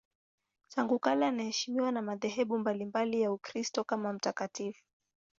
Tangu kale anaheshimiwa na madhehebu mbalimbali ya Ukristo kama mtakatifu.